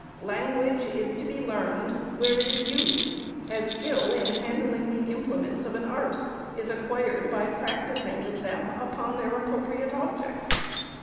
Language is to be learned, where it is used, as skill in handling the implements of an art is acquired by prac tising with them upon their appropriate objects.